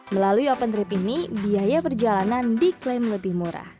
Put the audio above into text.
melalui open trip ini biaya perjalanan diklaim lebih murah